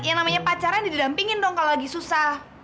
yang namanya pacaran didampingin dong kalau lagi susah